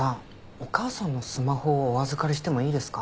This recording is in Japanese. お母さんのスマホをお預かりしてもいいですか？